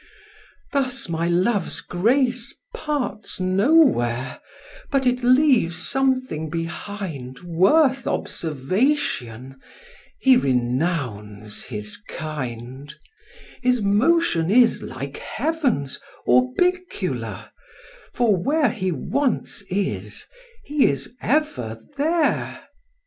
Thus my love's grace Parts nowhere, but it leaves something behind Worth observation: he renowns his kind: His motion is, like heaven's, orbicular, For where he once is, he is ever there.